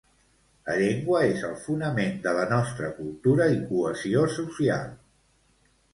La llengua és el fonament de la nostra cultura i cohesió social.